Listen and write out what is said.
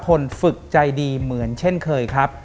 คนฝึกใจดีเหมือนเช่นเคยครับ